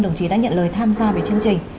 đồng chí đã nhận lời tham gia về chương trình